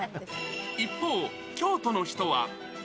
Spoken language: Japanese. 一方、京都の人は。